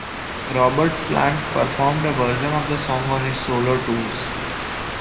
Robert Plant performed a version of the song on his solo tours.